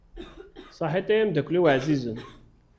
Saḥit ay amdakkel-iw ɛzizen.